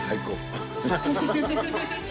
ハハハ